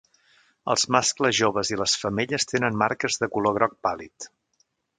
Els mascles joves i les femelles tenen marques de color groc pàl·lid.